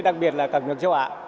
đặc biệt là các nước châu ả